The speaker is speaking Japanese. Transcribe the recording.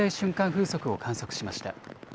風速を観測しました。